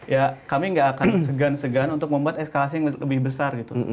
ya kami nggak akan segan segan untuk membuat eskalasi yang lebih besar gitu